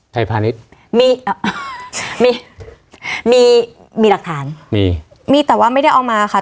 พาณิชย์มีมีหลักฐานมีมีแต่ว่าไม่ได้เอามาค่ะ